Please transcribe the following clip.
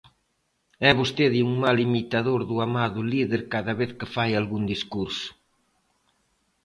É vostede un mal imitador do amado líder cada vez que fai algún discurso.